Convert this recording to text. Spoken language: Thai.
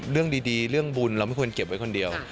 เรื่องดีเรื่องบุญเราไม่ควรเก็บไว้คนเดียว